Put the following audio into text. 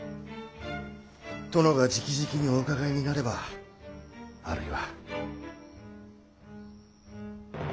殿がじきじきにお伺いになればあるいは。